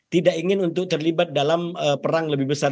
tidak ingin untuk terlibat dalam perang lebih besar